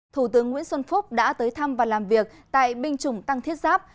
thủ tướng nguyễn xuân phúc đã tới thăm và làm việc tại binh chủng tăng thiết giáp